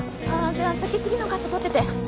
じゃあ先次のカット撮ってて。